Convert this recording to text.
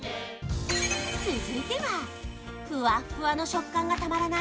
続いてはフワッフワの食感がたまらない